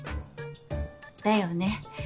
だよね